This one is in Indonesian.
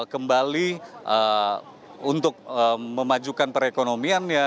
kembali untuk memajukan perekonomiannya